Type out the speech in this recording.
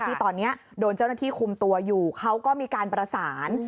ที่ตอนนี้โดนเจ้าหน้าที่คุมตัวอยู่เขาก็มีการประสาน